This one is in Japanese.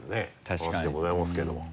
話でございますけども。